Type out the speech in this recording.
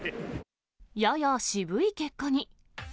やや渋い結果に。